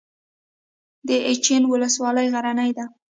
د اچین ولسوالۍ غرنۍ ده